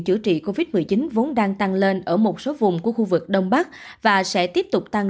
chữa trị covid một mươi chín vốn đang tăng lên ở một số vùng của khu vực đông bắc và sẽ tiếp tục tăng